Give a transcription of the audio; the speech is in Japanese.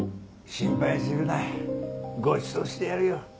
心配するなごちそうしてやるよ。